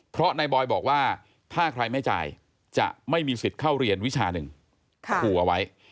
เพราะนายบอยบอกว่าถ้าใครไม่จ่ายจะไม่มีสิทธิ์เข้าเรียนวิชาหนึ่งขู่เอาไว้